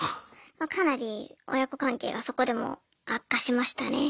かなり親子関係がそこでも悪化しましたね。